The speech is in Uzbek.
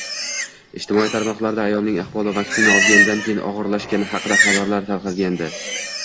Ijtimoiy tarmoqlarda ayolning ahvoli vaksina olgandan keyin og‘irlashgani haqida xabarlar tarqalgandi